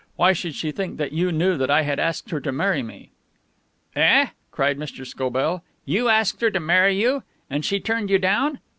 Why should she think that you knew that I had asked her to marry me?" "Eh?" cried Mr. Scobell. "You asked her to marry you? And she turned you down!